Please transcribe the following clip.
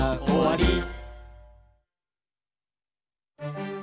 「おわり」